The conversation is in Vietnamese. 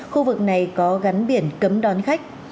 khu vực này có gắn biển cấm đón khách